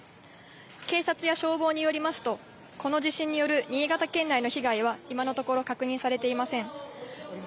警察や消防によりますと、この地震による新潟県内の被害は、今のところ確認されていません。